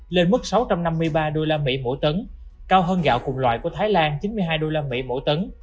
lên mức sáu trăm năm mươi ba đô la mỹ mỗi tấn cao hơn gạo cùng loại của thái lan chín mươi hai đô la mỹ mỗi tấn